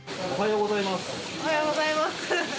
おはようございます。